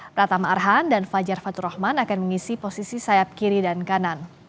pratama arhan dan fajar fatur rahman akan mengisi posisi sayap kiri dan kanan